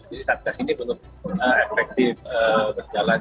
jadi saat ini belum efektif berjalan